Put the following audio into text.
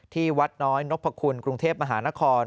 ที่วัดน้อยนพคุณกรุงเทพมหานคร